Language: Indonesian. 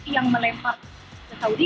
yang melempar ke saudi